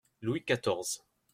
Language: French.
Louis quatorze.